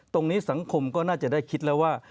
สังคมก็น่าจะได้คิดแล้วว่า